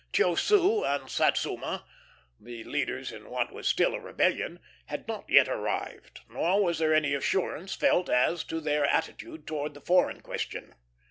Chiosiu and Satsuma, the leaders in what was still a rebellion, had not yet arrived, nor was there any assurance felt as to their attitude towards the foreign question.